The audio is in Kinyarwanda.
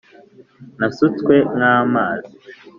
Nasutswe nk amazi